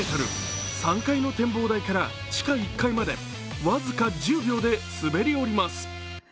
３階の展望台から地下１階まで僅か１０秒で滑り降ります。